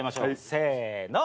せの。